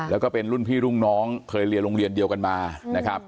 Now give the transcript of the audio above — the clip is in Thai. แล้วก็เป็นรุ่นพี่รุ่นน้องเคยเรียนโรงเรียนเดียวกันมานะครับ